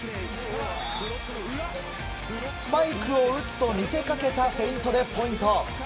スパイクを打つと見せかけたフェイントでポイント。